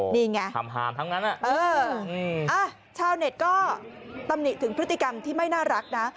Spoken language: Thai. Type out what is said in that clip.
นี่ไงฮามทั้งนั้นชาวเน็ตก็ตำหนิถึงพฤติกรรมที่ไม่น่ารักนะ